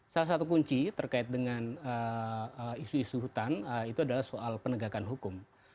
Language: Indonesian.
salah satu kunci terkait dengan isu isu hutan itu adalah soal penegakan hukum